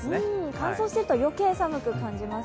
乾燥していると余計寒く感じます。